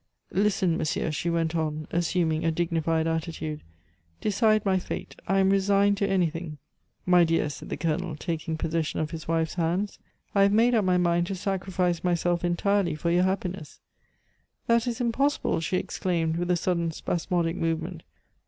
Listen, monsieur," she went on, assuming a dignified attitude, "decide my fate, I am resigned to anything " "My dear," said the Colonel, taking possession of his wife's hands, "I have made up my mind to sacrifice myself entirely for your happiness " "That is impossible!" she exclaimed, with a sudden spasmodic movement.